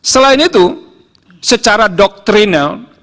selain itu secara doktrinal